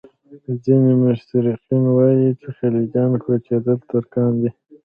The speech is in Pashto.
ځینې مستشرقین وایي چې خلجیان کوچېدلي ترکان دي.